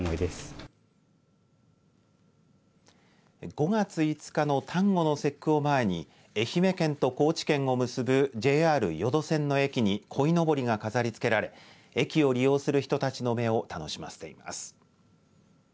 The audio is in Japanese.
５月５日の端午の節句を前に愛媛県と高知県を結ぶＪＲ予土線の駅にこいのぼりが飾りつけられ駅を利用する人たちの目を楽しませています。